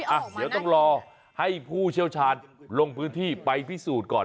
อ่ะเดี๋ยวต้องรอให้ผู้เชี่ยวชาญลงพื้นที่ไปพิสูจน์ก่อน